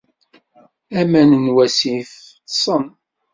Aman n wasif ṭṣen.